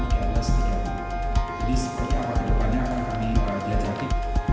jadi seperti apa terlebih dahulu kami berhati hati